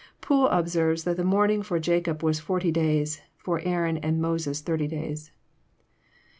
Poole observes that the mourning for Jacob was forty days, for Aaron and Moses, thirty days.